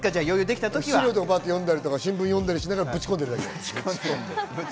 資料を読んだり新聞を読んだりしながら、ぶち込んでるだけ。